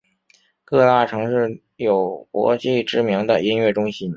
各大城市有国际知名的音乐中心。